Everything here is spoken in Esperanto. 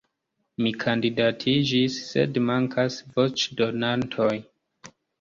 Mi kandidatiĝis, sed mankas voĉdonantoj.